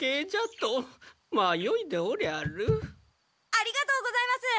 ありがとうございます！